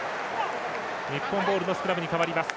日本ボールのスクラムに変わります。